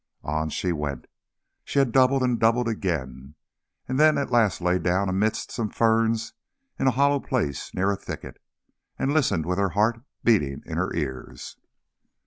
On she went, and she doubled and doubled again, and then at last lay down amidst some ferns in a hollow place near a thicket, and listened with her heart beating in her ears.